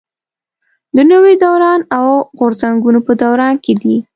د نوي دوران او غورځنګونو په دوران کې دي.